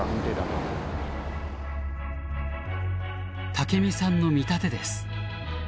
竹見さんの見立てです。